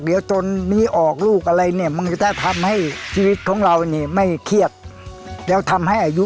เดี๋ยวตนนี้ออกลูกอะไรมันก็จะทำให้ชีวิตของเราไม่เคียบแล้วทำให้อายุ